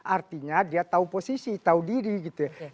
artinya dia tahu posisi tahu diri gitu ya